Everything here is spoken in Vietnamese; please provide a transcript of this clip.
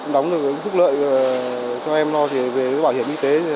đóng được phúc lợi cho em lo về bảo hiểm y tế